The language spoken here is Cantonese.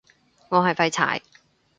我係廢柴